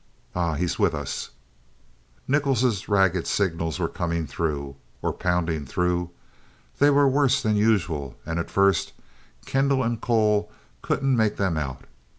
Ah he's with us." Nichols' ragged signals were coming through or pounding through. They were worse than usual, and at first Kendall and Cole couldn't make them out.